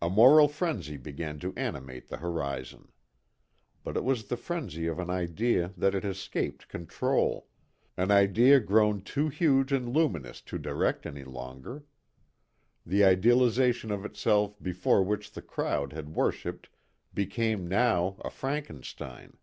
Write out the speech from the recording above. A moral frenzy began to animate the horizon. But it was the frenzy of an idea that had escaped control; an idea grown too huge and luminous to direct any longer. The idealization of itself before which the crowd had worshipped became now a Frankenstein.